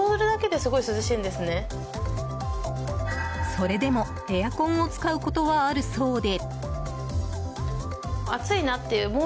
それでもエアコンを使うことはあるそうで。